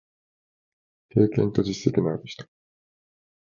経験と実績のある人